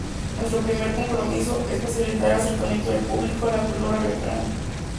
Nuestro primer compromiso es facilitar el acercamiento del público a la cultura regional.